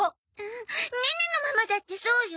ネネのママだってそうよ。